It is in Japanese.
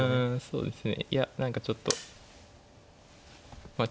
そうですよね。